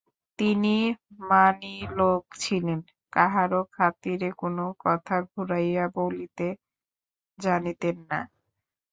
তিনি মানী লোক ছিলেন, কাহারো খাতিরে কোনো কথা ঘুরাইয়া বলিতে জানিতেন না।